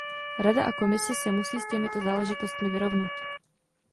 Rada a Komise se musí s těmito záležitostmi vyrovnat.